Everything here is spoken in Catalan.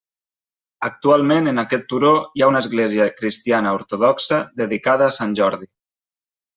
Actualment en aquest turó hi ha una església cristiana ortodoxa dedicada a Sant Jordi.